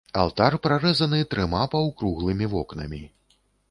Алтар прарэзаны трыма паўкруглымі вокнамі.